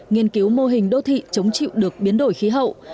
nghiên cứu mô hình đô thị chống chịu được biến đổi khí hậu